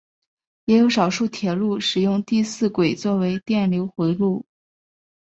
也有少数铁路使用第四轨作为电流回路。